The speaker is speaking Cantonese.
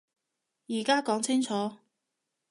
而家講清楚